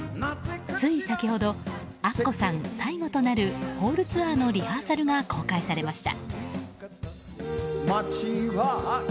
つい先ほどアッコさん最後となるホールツアーのリハーサルが公開されました。